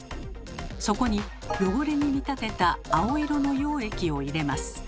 そこに汚れに見立てた青色の溶液を入れます。